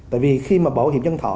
tại vì khi mà bảo hiểm dân thọ